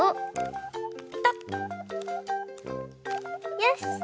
よし！